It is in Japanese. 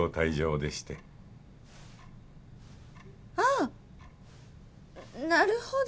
ああなるほど。